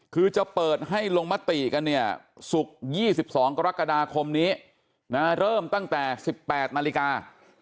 คือจะเปิดให้ลงมติกันเนี่ยศุกร์๒๒กรกฎาคมนี้เริ่มตั้งแต่๑๘นาฬิกา